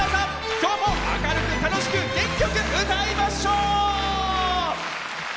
今日も明るく、楽しく、元気よく歌いましょう！